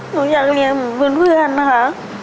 หนูอยากเรียนเหมือนเพื่อนนะคะ